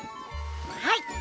はい！